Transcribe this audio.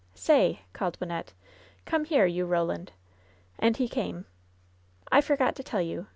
"Say !" called Wynnette. "Come here, you Eoland !" And he came. "I forgot to tell you.